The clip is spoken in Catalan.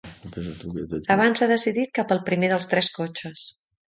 Avança decidit cap al primer dels tres cotxes.